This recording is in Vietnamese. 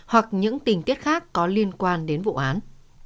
hoặc những tình tiết khác có liên quan đến vụ án